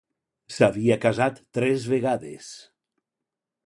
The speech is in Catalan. S'havia casat tres vegades.